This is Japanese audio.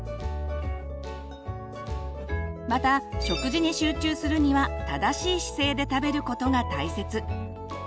また食事に集中するには正しい姿勢で食べることが大切。